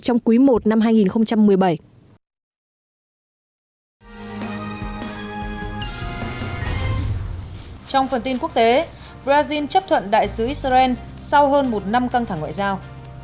trong phần tin quốc tế brazil chấp thuận đại sứ israel sau hơn một năm căng thẳng ngoại giao